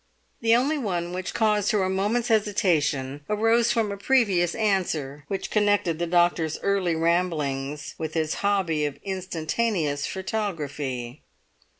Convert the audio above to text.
The only one which caused her a moment's hesitation arose from a previous answer, which connected the doctor's early ramblings with his hobby of instantaneous photography.